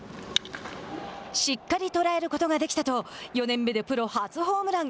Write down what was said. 「しっかり捉えることができた」と４年目でプロ初ホームラン。